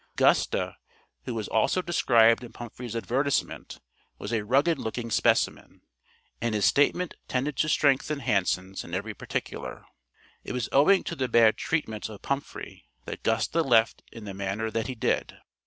Gusta, who was also described in Pumphrey's advertisement, was a rugged looking specimen, and his statement tended to strengthen Hanson's in every particular. It was owing to the bad treatment of Pumphrey, that Gusta left in the manner that he did.